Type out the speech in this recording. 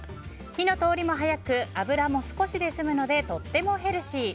火の通りも早く油も少しで済むのでとってもヘルシー。